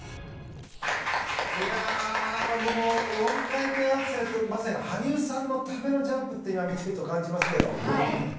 もう４回転アクセルってまさに羽生さんのためのジャンプって今、見てると感じますけど。